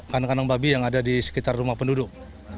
kandang kandang babi yang ada di sekitar rumah penduduk